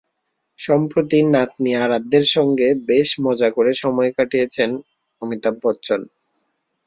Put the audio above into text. সম্প্রতি নাতনি আরাধ্যের সঙ্গে বেশ মজা করে সময় কাটিয়েছেন অমিতাভ বচ্চন।